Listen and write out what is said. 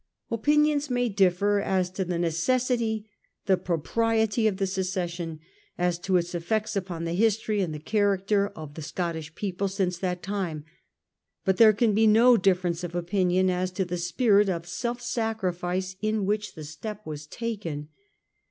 Opinions may differ as to the necessity, the propriety of the secession — as to its effects upon the history and the character of the Scottish people since that time ; but there can be no difference of opinion as to the spirit of self sacrifice in which the step was taken.